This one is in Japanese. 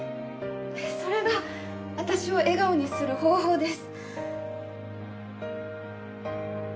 それが私を笑顔にする方法です。